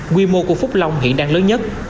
quy mô của phúc long hiện đang lớn nhất